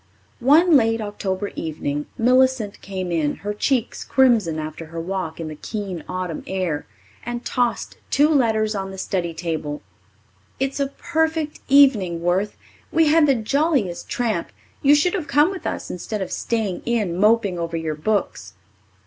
One late October evening Millicent came in, her cheeks crimson after her walk in the keen autumn air, and tossed two letters on the study table. "It's a perfect evening, Worth. We had the jolliest tramp. You should have come with us instead of staying in moping over your books."